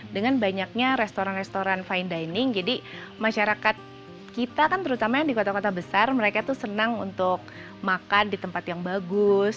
dengan banyaknya restoran restoran fine dining jadi masyarakat kita kan terutama yang di kota kota besar mereka tuh senang untuk makan di tempat yang bagus